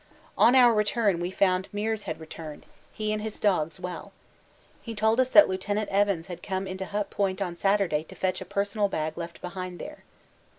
On our return we found Meares had returned; he and the dogs well. He told us that (Lieut.) Evans had come into Hut Point on Saturday to fetch a personal bag left behind there.